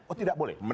oh tidak boleh